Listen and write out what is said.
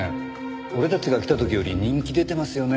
俺たちが来た時より人気出てますよね。